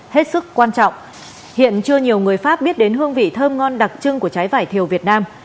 hết sức quan trọng hiện chưa nhiều người pháp biết đến hương vị thơm ngon đặc trưng của trái vải thiều việt nam